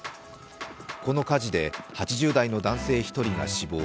この火事で８０代の男性１人が死亡。